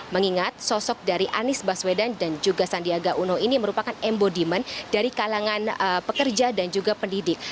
mengingat sosok dari anies baswedan dan juga sandiaga uno ini merupakan embodiment dari kalangan pekerja dan juga pendidik